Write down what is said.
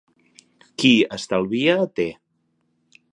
Qui estalvia té.